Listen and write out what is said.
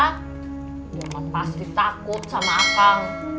cuma pasti takut sama akang